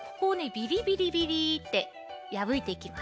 ビリビリビリってやぶいていきます。